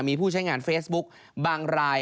มีผู้ใช้งานเฟซบุ๊กบางราย